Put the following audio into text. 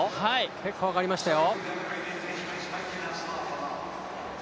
結構、上がりましたよ。